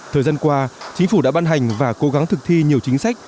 thời gian qua chính phủ đã ban hành và cố gắng thực thi nhiều chính sách